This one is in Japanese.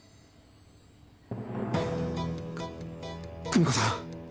く久美子さん